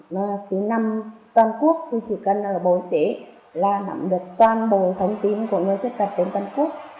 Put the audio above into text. và phía năm toàn quốc thì chỉ cần là bộ y tế là nắm được toàn bộ thông tin của người khuyết tật trên toàn quốc